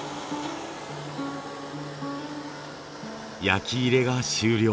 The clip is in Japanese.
焼き入れが終了。